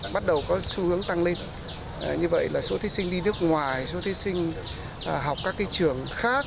bắt đầu có xu hướng tăng lên như vậy là số thí sinh đi nước ngoài số thí sinh học các trường khác